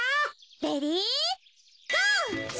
レディーゴー！